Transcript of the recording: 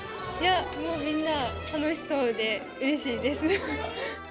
もうみんな、楽しそうで、うれしいです。